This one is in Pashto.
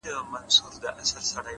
• له انګلیسي ترجمې څخه,